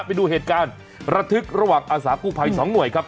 ไปดูเหตุการณ์ระทึกระหว่างอาสากู้ภัย๒หน่วยครับ